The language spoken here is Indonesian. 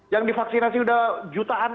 yang divaksinasi sudah jutaan